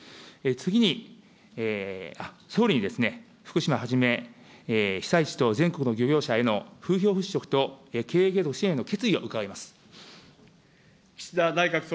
次に、総理に福島はじめ、被災地と全国の漁業者への風評払拭と経営継続への支援を伺います。